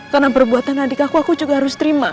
karena perbuatan adik aku aku juga harus terima